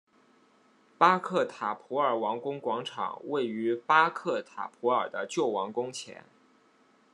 巴克塔普尔王宫广场位于巴克塔普尔的旧王宫前。